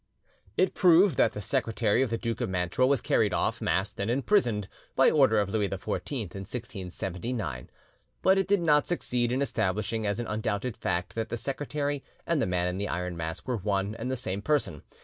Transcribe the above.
It proved that the secretary of the Duke of Mantua was carried off, masked, and imprisoned, by order of Louis XIV in 1679, but it did not succeed in establishing as an undoubted fact that the secretary and the Man in the Iron Mask were one and the same person.